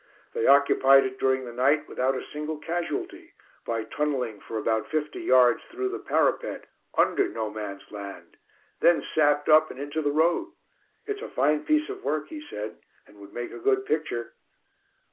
They occupied it during the night without a single casualty, by tunnelling for about fifty yards through the parapet, under 'No Man's Land'; then sapped up and into the road. It's a fine piece of work," he said, "and would make a good picture."